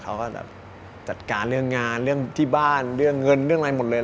เขาก็จะจัดการเรื่องงานเรื่องที่บ้านเรื่องเงินเรื่องอะไรหมดเลย